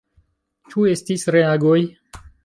Ĉu estis reagoj?